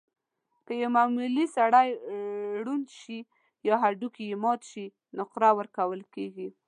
که یو معمولي سړی ړوند شي یا هډوکی یې مات شي، نقره ورکول کېږي.